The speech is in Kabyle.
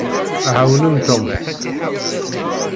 Ɛawnem Tom.